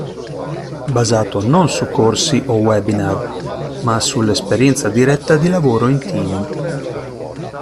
Basato non su corsi o webinar ma sull'esperienza diretta di lavoro in team.